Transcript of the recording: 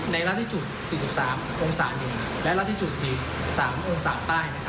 ในละที่จุด๔๓องศาเหนือและละที่จุด๔๓องศาใต้